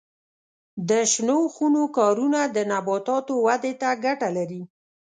د شنو خونو کارونه د نباتاتو ودې ته ګټه لري.